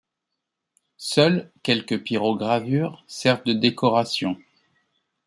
Seules quelques pyrogravures servent de décorations.